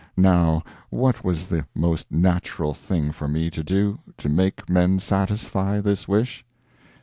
Now what was the most natural thing for me to do, to make men satisfy this wish?